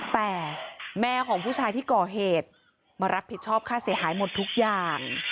แต่แม่ของผู้ชายที่ก่อเหตุมารับผิดชอบค่าเสียหายหมดทุกอย่าง